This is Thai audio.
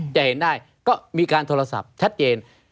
จะเห็นได้ก็มีการโทรศัพท์ชัดเจน